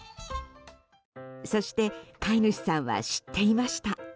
そして、飼い主さんは知っていました。